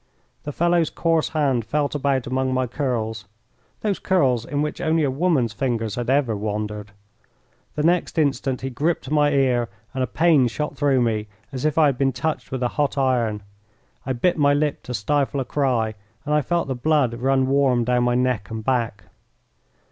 The fellow's coarse hand felt about among my curls those curls in which only a woman's fingers had ever wandered. The next instant he gripped my ear and a pain shot through me as if I had been touched with a hot iron. I bit my lip to stifle a cry, and I felt the blood run warm down my neck and back.